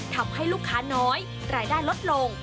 ทำให้ลูกค้าน้อยรายได้ลดลง